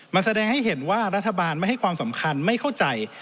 มันแสดงให้เห็นว่ารัฐบาลไม่ให้ความสำคัญไม่เข้าใจ